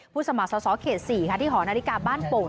ผู้สมาธิสาวเคส๔ที่หอนาฬิกาบ้านโป่ง